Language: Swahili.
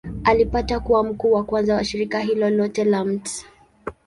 Alipata kuwa mkuu wa kwanza wa shirika hilo lote la Mt.